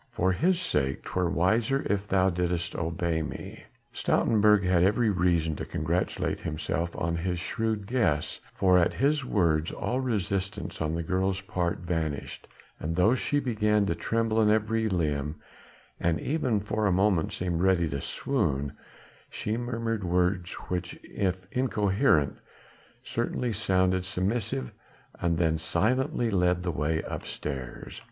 For his sake 'twere wiser if thou didst obey me." Stoutenburg had every reason to congratulate himself on his shrewd guess, for at his words all resistance on the girl's part vanished, and though she began to tremble in every limb and even for a moment seemed ready to swoon, she murmured words which if incoherent certainly sounded submissive, and then silently led the way upstairs.